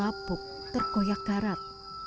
apuk terkoyak karat